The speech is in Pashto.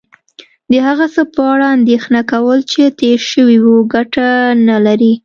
د هغه څه په اړه اندېښنه کول چې تیر شوي وي کټه نه لرې